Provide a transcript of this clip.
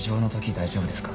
大丈夫ですか？